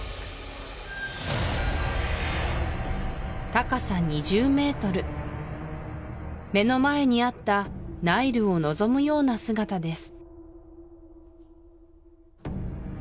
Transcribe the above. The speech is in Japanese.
高さ２０ｍ目の前にあったナイルを臨むような姿です